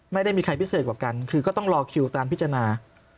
ไม่ได้มีใครพิเศษกว่ากันคือก็ต้องรอคิวตามพิจารณา